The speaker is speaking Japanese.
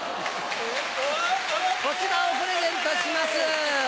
こちらをプレゼントします。